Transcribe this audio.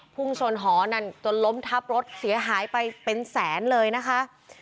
พุ่งชนหอนั่นจนล้มทับรถเสียหายไปเป็นแสนเลยนะคะ